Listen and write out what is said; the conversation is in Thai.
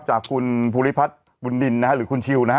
จากคุณภูริพัฒน์บุญนินนะฮะหรือคุณชิวนะฮะ